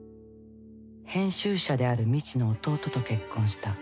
編集者である美智の弟と結婚した。